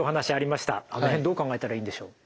あの辺どう考えたらいいんでしょう？